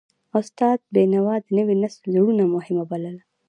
استاد بینوا د نوي نسل روزنه مهمه بلله.